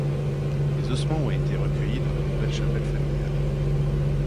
Les ossements ont été recueillis dans la nouvelle chapelle familiale.